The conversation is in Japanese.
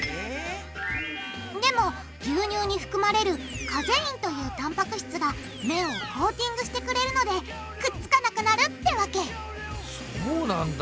でも牛乳に含まれるカゼインというたんぱく質が麺をコーティングしてくれるのでくっつかなくなるってわけそうなんだ。